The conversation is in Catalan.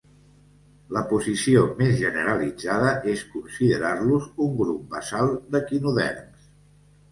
La posició més generalitzada és considerar-los un grup basal d'equinoderms.